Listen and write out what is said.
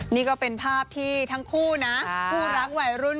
นี่ก็เป็นภาพที่ทั้งคู่นะคู่รักวัยรุ่น